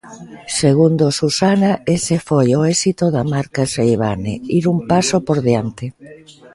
Segundo Susana, "ese foi o éxito da marca Seivane: ir un paso por diante".